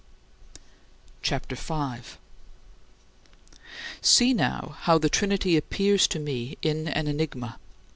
CHAPTER V 6. See now, how the Trinity appears to me in an enigma.